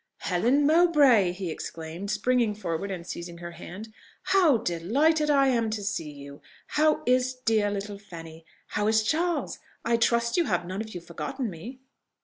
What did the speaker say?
"Helen Mowbray!" he exclaimed, springing forward and seizing her hand, "how delighted I am to see you! How is dear little Fanny? how is Charles? I trust you have none of you forgotten me?"